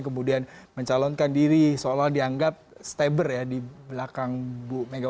kemudian mencalonkan diri seolah dianggap stabber ya di belakang bu mega